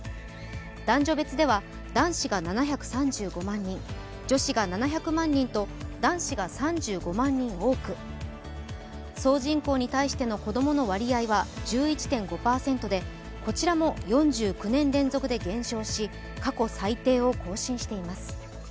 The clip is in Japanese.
男女別では男子が７３５万人女子が７００万人と男子が３５万人多く、総人口に対しての子供の割合は１１．５％で、こちらも４９年連続で減少し、過去最低を更新しています。